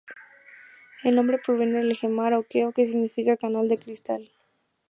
El nombre proviene del jemer អូរកែវ: "o keo", que significa ‘canal de cristal’.